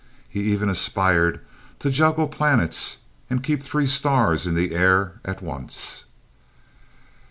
He even aspired to juggle planets and keep three stars in the air at once.